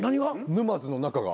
沼津の中が。